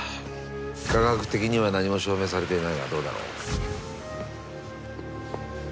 科学的には何も証明されていないがどうだろう。